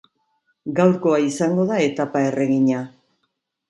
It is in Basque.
Gaurkoa izango da etapa erregina.